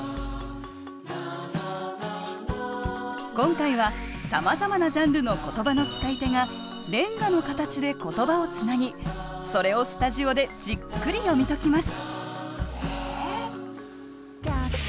今回はさまざまなジャンルの言葉の使い手が連歌の形で言葉をつなぎそれをスタジオでじっくり読み解きます。